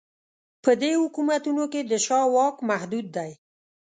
په دې حکومتونو کې د شاه واک محدود دی.